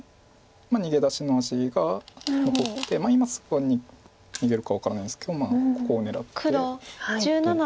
逃げ出しの味が残って今すぐは逃げるか分からないんですけどここを狙ってどうかという。